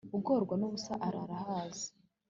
ugorwa n'ubusa arara ahaze